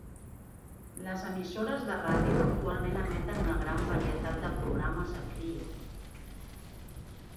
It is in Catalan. Les emissores de ràdio actualment emeten una gran varietat de programes a Krio.